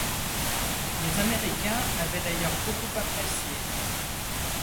Les Américains avaient d'ailleurs beaucoup apprécié.